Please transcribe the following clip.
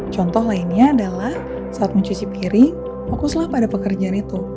contoh lainnya adalah saat mencicip kiri fokuslah pada pekerjaan itu